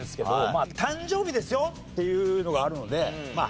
まあ誕生日ですよっていうのがあるのでまあ